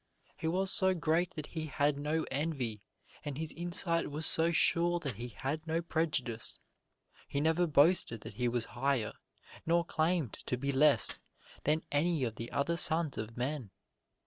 He was so great that he had no envy, and his insight was so sure that he had no prejudice. He never boasted that he was higher, nor claimed to be less than any of the other sons of men.